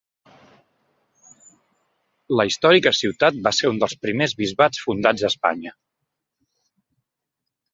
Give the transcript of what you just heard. La històrica ciutat va ser un dels primers bisbats fundats a Espanya.